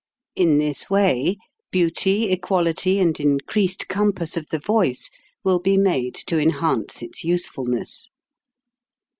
In this way beauty, equality, and increased compass of the voice will be made to enhance its usefulness.